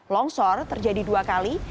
longsor terjadi dua kali